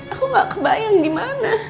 aku gak kebayang di mana